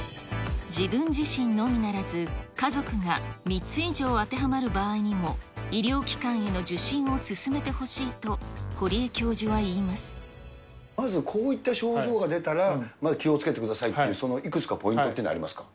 自分自身のみならず、家族が３つ以上当てはまる場合にも、医療機関への受診を勧めてほしいと、まずこういった症状が出たら、気をつけてくださいという、いくつかポイントってありますか。